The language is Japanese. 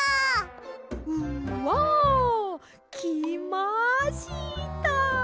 うわきました！